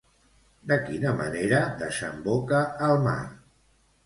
De quina manera desemboca al mar?